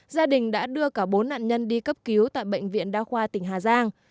gia đình đã đưa cả bốn nạn nhân đi cấp cứu tại bệnh viện đa khoa tỉnh hà giang